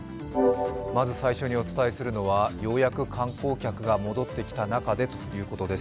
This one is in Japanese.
まず最初にお伝えするのはようやく観光客が戻ってきた中でということです。